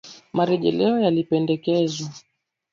Marejeleo yalipendekezwa